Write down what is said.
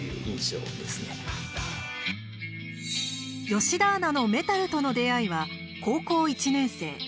吉田アナのメタルとの出会いは高校１年生。